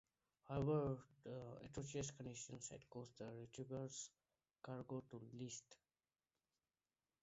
However, the atrocious conditions had caused the "Retriever"'s cargo to list.